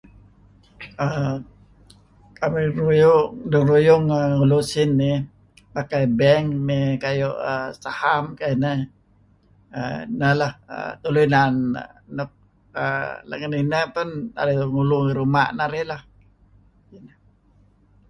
uhm Un narih dengaruyung gulu usom iih pakai bank iih kayu' saham kieinah leh. Tulu inan lat ngen ineh pah narih ngulu ngi ruma' narih lah.